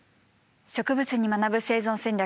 「植物に学ぶ生存戦略」。